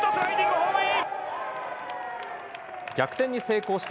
ホームラン！